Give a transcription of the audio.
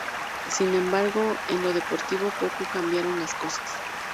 Sin embargo, en lo deportivo poco cambiaron las cosas.